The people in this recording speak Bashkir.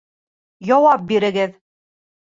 Яуап бирегеҙ!